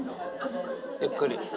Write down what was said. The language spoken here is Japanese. ゆっくり。